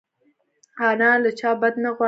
انا له چا بد نه غواړي